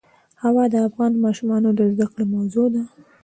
هوا د افغان ماشومانو د زده کړې موضوع ده.